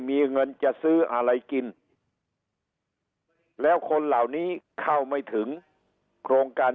มีเงินจะซื้ออะไรกินแล้วคนเหล่านี้เข้าไม่ถึงโครงการ